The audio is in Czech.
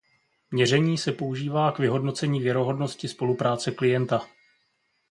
Měření se používá k vyhodnocení věrohodnosti spolupráce klienta.